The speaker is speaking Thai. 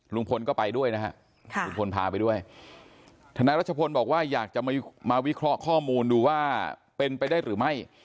ลุงพลก็ไปด้วยนะฮะลุงพลพาไปด้วยทนายรัชพลบอกว่าอยากจะมาวิเคราะห์ข้อมูลดูว่าเป็นไปได้หรือไม่